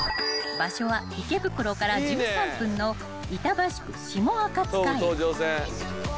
［場所は池袋から１３分の板橋区下赤塚駅］